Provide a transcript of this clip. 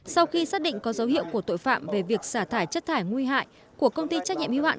sau khi xác định có dấu hiệu của tội phạm về việc xả thải chất thải nguy hại của công ty trách nhiệm hiếu hạn